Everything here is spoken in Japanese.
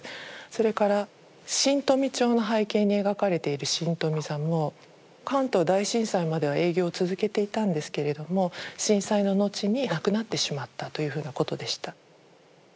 それから「新富町」の背景に描かれている新富座も関東大震災までは営業を続けていたんですけれども震災の後になくなってしまったというふうなことでした。